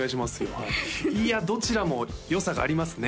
はいいやどちらもよさがありますね